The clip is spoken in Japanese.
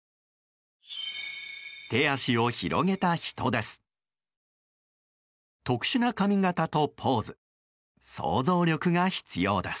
手足を広げた人です。